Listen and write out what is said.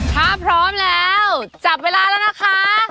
ถ้าพร้อมแล้วจับเวลาแล้วนะคะ